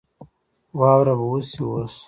واوره به وشي اوس